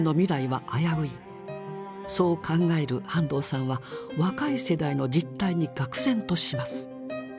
そう考える半藤さんは若い世代の実態にがく然とします。